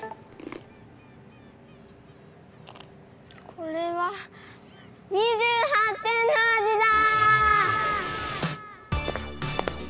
これは２８点の味だ！